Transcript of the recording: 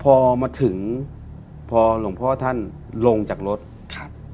พอมาถึงพอหลวงพ่อท่านลงจากรถครับ